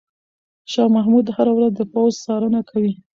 شاه محمود هره ورځ د پوځ څارنه کوي.